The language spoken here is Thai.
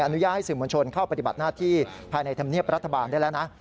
อนุญาตให้สื่อมวลชนเข้าปฏิบัติหน้าที่ภายในธรรมเนียบรัฐบาลได้แล้วนะ